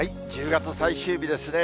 １０月最終日ですね。